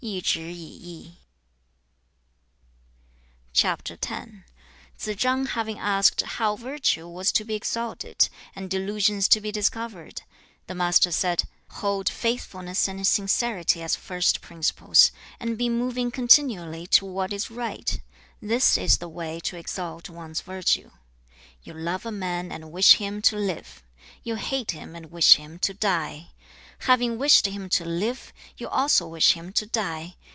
1. Tsze chang having asked how virtue was to be exalted, and delusions to be discovered, the Master said, 'Hold faithfulness and sincerity as first principles, and be moving continually to what is right; this is the way to exalt one's virtue. 2. 'You love a man and wish him to live; you hate him and wish him to die. Having wished him to live, you also wish him to die.